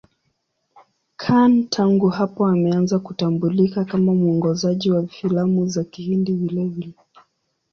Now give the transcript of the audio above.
Khan tangu hapo ameanza kutambulika kama mwongozaji wa filamu za Kihindi vilevile.